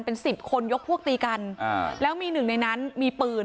เป็นสิบคนยกพวกตีกันอ่าแล้วมีหนึ่งในนั้นมีปืน